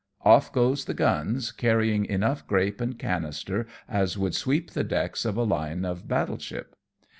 Off goes the guns, carrying enough grape and cannister as would sweep the decks of a line of battle ship.